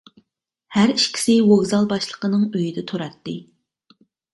ھەر ئىككىسى ۋوگزال باشلىقىنىڭ ئۆيىدە تۇراتتى.